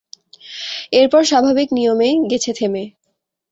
এরপর স্বাভাবিক নিয়মে গেছে থেমে।